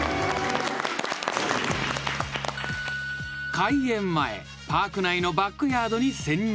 ［開園前パーク内のバックヤードに潜入］